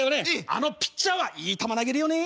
あのピッチャーはいい球投げるよね」。